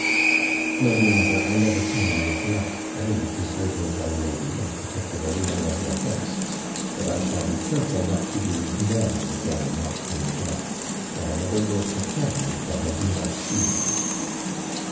'My dear mother, I never can neglect any deserving young lady, and particularly one of your guests; but I shall be careful not to do more than not to neglect, for I never will pretend what I do not feel.'